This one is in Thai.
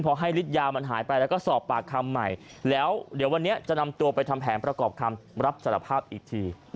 พอให้ฤทธิยามันหายไปแล้วก็สอบปากคำใหม่แล้วเดี๋ยววันนี้จะนำตัวไปทำแผนประกอบคำรับสารภาพอีกที